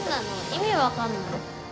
意味分かんない。